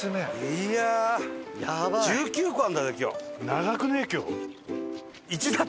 いやあ１９個あるんだぜ今日。